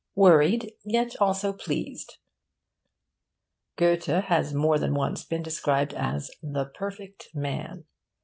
Worried, yet also pleased. Goethe has more than once been described as 'the perfect man.